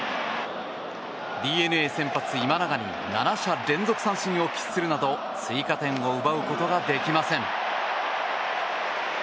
ＤｅＮＡ先発、今永に７者連続三振を喫するなど追加点を奪うことができません。